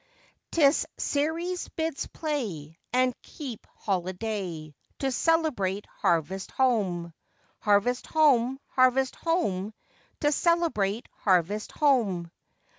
Chorus. 'Tis Ceres bids play, And keep holiday, To celebrate harvest home! Harvest home! Harvest home! To celebrate harvest home!